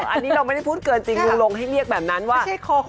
อันนี้เราไม่ได้พูดเกินจริงลุงลงให้เรียกแบบนั้นว่า